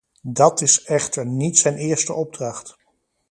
Dat is echter niet zijn eerste opdracht.